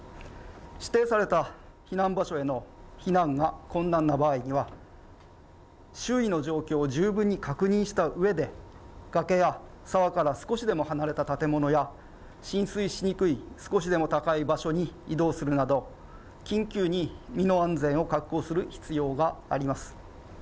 指定された避難場所への避難が困難な場合には周囲の状況を十分に確認したうえで崖や沢から少しでも離れた建物や浸水しにくい少しでも高い場所に移動するなど緊急に身の安全を確保する必要があります。